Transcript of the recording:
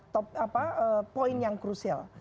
top apa poin yang krusial